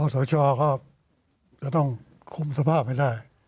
สชก็จะต้องคุมสภาพให้ได้